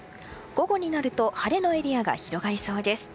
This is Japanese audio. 午後になると晴れのエリアが広がりそうです。